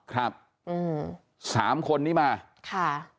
ครับอืมสามคนนี้มาค่ะ